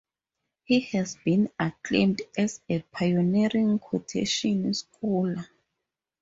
He has been acclaimed as a "pioneering quotation scholar".